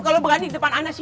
kalo berani depan ana sini